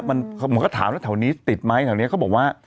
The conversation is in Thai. มันก็ถามแล้วแถวนี้ติดไหมแถวนี้เขาบอกว่า